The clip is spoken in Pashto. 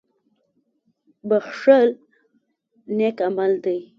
• بښل نېک عمل دی.